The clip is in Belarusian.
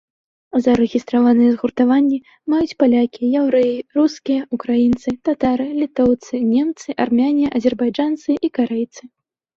Зарэгістраваныя згуртаванні маюць палякі, яўрэі, рускія, украінцы, татары, літоўцы, немцы, армяне, азербайджанцы і карэйцы.